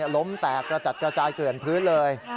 ล้มแตกกระจัดกระจายเกลื่อนพื้นเลย